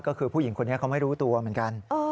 ก็คือผู้หญิงคนนี้เขาไม่รู้ตัวเหมือนกัน